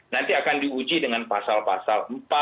nanti akan diuji dengan pasal pasal